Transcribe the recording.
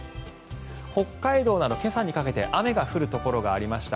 北海道では今朝にかけて雨が降るところがありました。